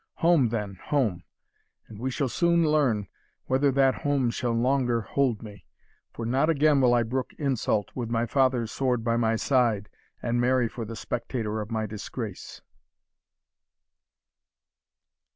Home, then, home and we shall soon learn whether that home shall longer hold me; for not again will I brook insult, with my father's sword by my side, and Mary for the spectator of my disgrace."